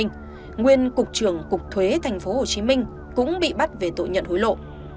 nguyên cục trưởng cục thuế tp hcm cũng bị bắt về tội nhận hối lộ